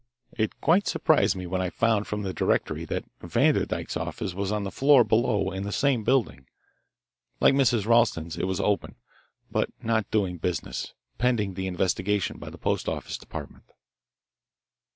It quite surprised me when I found from the directory that Vanderdyke's office was on the floor below in the same building. Like Mrs. Ralston's, it was open, but not doing business, pending the investigation by the Post Office Department.